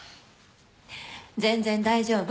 全然大丈夫。